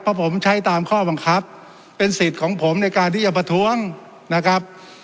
เพราะผมใช้ตามข้อบังคับเป็นสิทธิ์ของผมในการที่จะประท้วงนะครับ